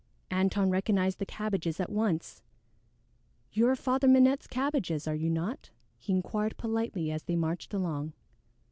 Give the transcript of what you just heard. Antone recognized the Cabbages at once. "You are Father Minette's cabbages, are you not?" he inquired politely as they marched along.